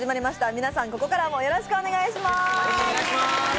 皆さんここからもよろしくお願いします。